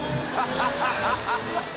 ハハハ